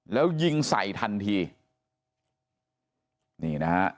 แล้วยิงใส่ทันทีนี่นะฮะ